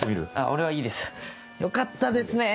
俺はいいですよかったですねぇ。